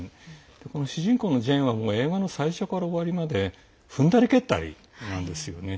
この主人公のジェーンは映画の最初から終わりまで踏んだり蹴ったりなんです。